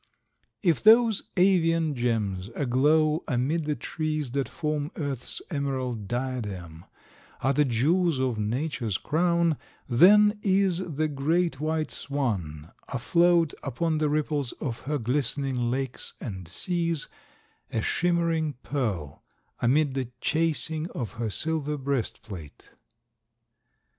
If those living Avian gems aglow amid the trees that form Earth's emerald diadem, are the jewels of Nature's crown, then is the great white swan afloat upon the ripples of her glistening lakes and seas, a shimmering pearl amid the chasing of her silver breastplate.